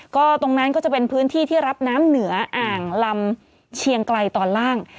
ก็ตรงนั้นก็จะเป็นพื้นที่ที่รับน้ำเหนืออ่างลำเชียงไกลตอนล่าง